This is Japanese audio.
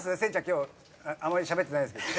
今日あまりしゃべってないですけど。